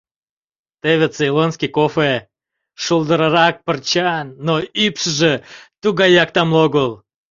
Теве цейлонский кофе, шолдырарак пырчан, но ӱпшыжӧ тугаяк тамле огыл...